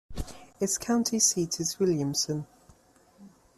Its county seat is Williamson.